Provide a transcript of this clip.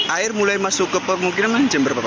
air mulai masuk ke pemukiman jam berapa pak